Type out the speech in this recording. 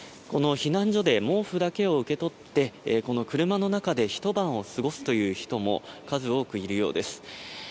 避難所で毛布だけを受け取って車の中でひと晩を過ごすという人も数多くいるようです。